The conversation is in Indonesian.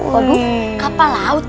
waduh kapal laut